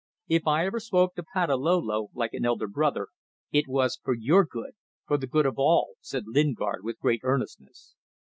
"If I ever spoke to Patalolo, like an elder brother, it was for your good for the good of all," said Lingard with great earnestness.